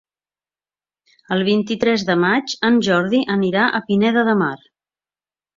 El vint-i-tres de maig en Jordi anirà a Pineda de Mar.